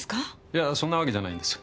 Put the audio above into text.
いやそんなわけじゃないんです